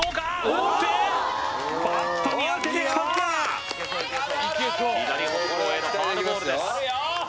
打ってバットに当ててきた左方向へのファウルボールです